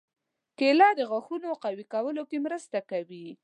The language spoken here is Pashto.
کېله د غاښونو قوي کولو کې مرسته کوي.